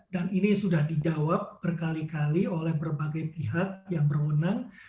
dan ini sudah dijawab berkali kali oleh berbagai pihak yang berwenang